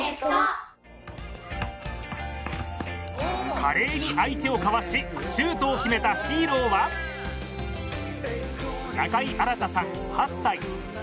華麗に相手をかわし、シュートを決めたヒーローは中井新大さん、８歳。